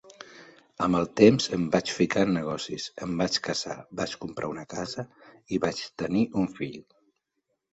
Amb el temps em vaig ficar en negocis, em vaig casar, vaig comprar una casa i vaig tenir un fill.